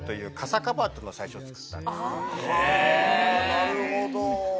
なるほど！